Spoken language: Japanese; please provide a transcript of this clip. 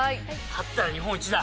勝ったら日本一だ！